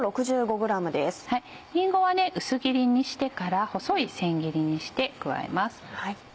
りんごは薄切りにしてから細い千切りにして加えます。